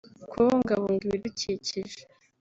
kubungabunga ibidukikije